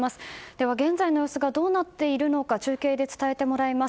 では現在の様子がどうなっているのか中継で伝えてもらいます。